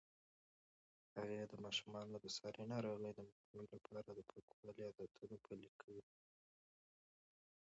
هغې د ماشومانو د ساري ناروغیو د مخنیوي لپاره د پاکوالي عادتونه پلي کوي.